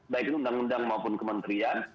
baik itu undang undang maupun kementerian